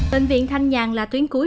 bệnh viện thanh nhàng là tuyến cuối